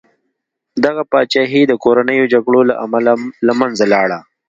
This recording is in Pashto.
دغه پاچاهي د کورنیو جګړو له امله له منځه لاړه.